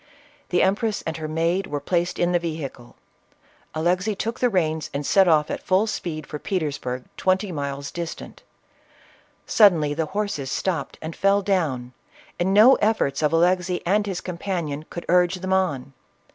The empress and her maid were placed in the vehicle ; Alexey txtok the reins and set off at full speed for Petersburg, twenty miles distant Suddenly the horses stopped and fell down, and no efforts of Alexey and his companion could urge on.